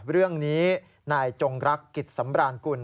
เรื่องนี้นายจงรักษ์กิจสำบรรคุณ